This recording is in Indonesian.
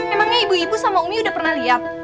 emangnya ibu ibu sama umi udah pernah lihat